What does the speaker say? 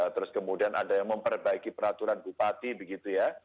terus kemudian ada yang memperbaiki peraturan bupati begitu ya